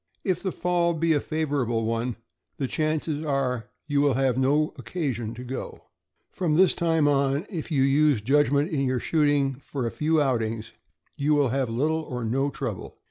If the fall be a favorable one, the chances are you will have no occasion to go. From this time on, if you use judgment in your shooting, for a THE CHESAPEAKE BAY DOG. 367 few outings, you will have little or no trouble.